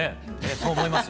そう思います。